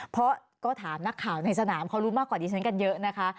เพราะก็ถามนักข่าวในสนามเขารู้มากกว่าดิฉันกันเยอะนะคะ